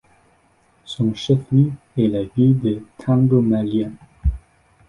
Son chef-lieu est la ville de Tingo María.